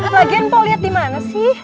lagian mau lihat di mana sih